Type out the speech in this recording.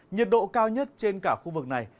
nhiệt độ cao nhất trên cả khu vực này